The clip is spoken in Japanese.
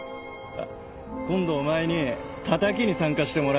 今度お前にたたきに参加してもらうからよ。